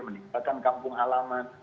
meninggalkan kampung alaman